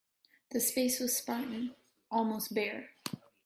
The space was spartan, almost bare.